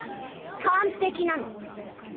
「完璧」なの。